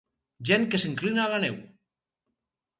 Gent que s'inclina a la neu.